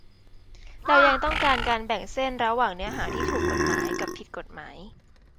เรายังต้องการการแบ่งเส้นระหว่างเนื้อหาที่ถูกกฎหมาย กับผิดกฎหมาย